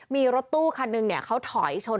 มีรถตู้คันหนึ่งเขาถอยชน